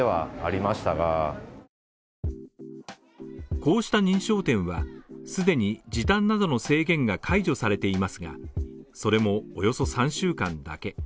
こうした認証店は既に時短などの制限が解除されていますが、それもおよそ３週間だけ。